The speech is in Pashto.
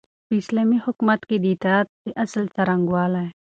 په اسلامي حکومت کي د اطاعت د اصل څرنګوالی